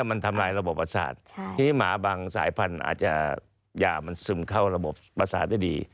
ยาบางสายพันธุ์อาจจะยามันซึมเข้าระบบประสาทได้ดี